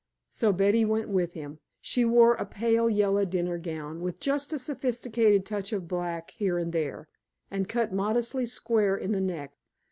So Betty went with him. She wore a pale yellow dinner gown, with just a sophisticated touch of black here and there, and cut modestly square in the neck.